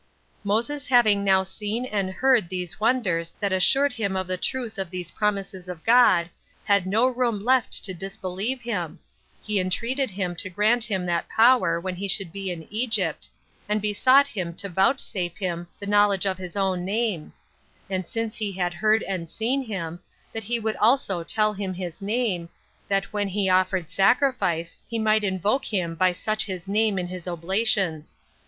4. Moses having now seen and heard these wonders that assured him of the truth of these promises of God, had no room left him to disbelieve them: he entreated him to grant him that power when he should be in Egypt; and besought him to vouchsafe him the knowledge of his own name; and since he had heard and seen him, that he would also tell him his name, that when he offered sacrifice he might invoke him by such his name in his oblations.